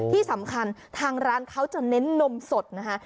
ที่สำคัญทางร้านเขาจะเน้นนมสดนะคะ